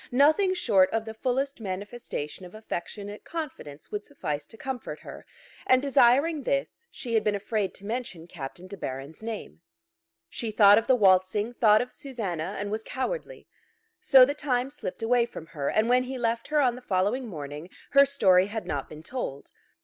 Nothing short of the fullest manifestation of affectionate confidence would suffice to comfort her; and, desiring this, she had been afraid to mention Captain De Baron's name. She thought of the waltzing, thought of Susanna, and was cowardly. So the time slipped away from her, and when he left her on the following morning her story had not been told.